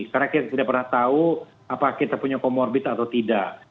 karena kita tidak pernah tahu apakah kita punya komorbid atau tidak